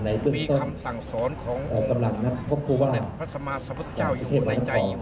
ได้ยึดเหนียวและเป็นหลักในการดำเนินชีวิตด้วยค่ะ